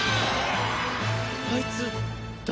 あいつ誰？